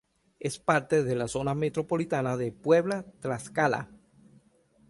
Es parte de la Zona Metropolitana de Puebla-Tlaxcala.